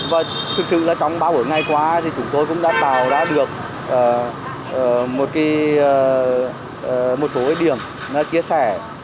và thực sự là trong ba buổi ngày qua thì chúng tôi cũng đã tạo ra được một số điểm chia sẻ